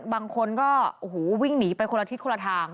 บางคนก็โอ้โหวิ่งหนีไปคนละทิศคนละทาง